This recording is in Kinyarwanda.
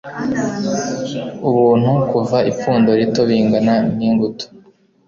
Ubuntu kuva ipfundo rito bingana ningutu